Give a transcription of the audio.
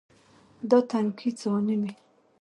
دا تنکے ځواني مې